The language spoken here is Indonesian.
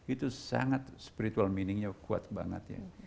itu sangat spiritual meaningnya kuat banget ya